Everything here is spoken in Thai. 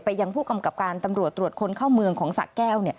ยังผู้กำกับการตำรวจตรวจคนเข้าเมืองของสะแก้ว